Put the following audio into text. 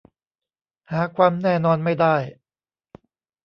หาความแน่นอนไม่ได้